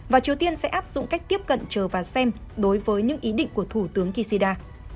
và triều tiên sẽ áp dụng cách tiếp cận chờ và xem đối với những ý định của thủ tướng kishida